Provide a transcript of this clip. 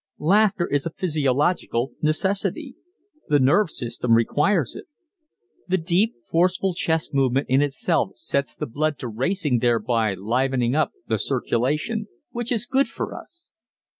Laughter is a physiological necessity. The nerve system requires it. The deep, forceful chest movement in itself sets the blood to racing thereby livening up the circulation which is good for us.